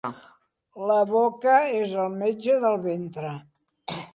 La boca és el metge del ventre.